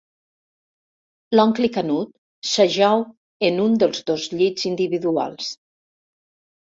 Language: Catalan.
L'oncle Canut s'ajau en un dels dos llits individuals.